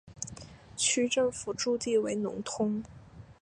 区政府驻地为农通。